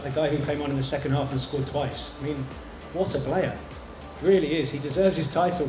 ketika mereka memproduksi pemain seperti yang datang di menit ke dua dan menang dua kali